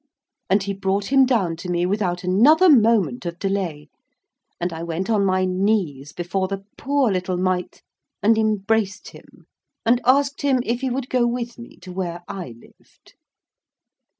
And he brought him down to me without another moment of delay, and I went on my knees before the poor little Mite, and embraced him, and asked him if he would go with me to where I lived?